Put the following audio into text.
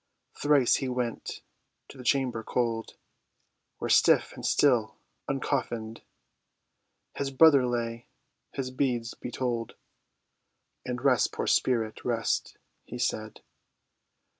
Thrice he went to the chamber cold, Where, stiff and still uncoffinèd, His brother lay, his beads he told, And "Rest, poor spirit, rest," he said.